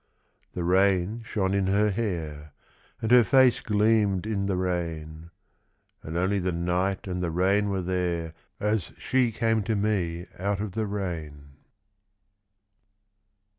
The rain shone in her hair, And her face gleamed in the rain; And only the night and the rain were there As she came to me out of the rain.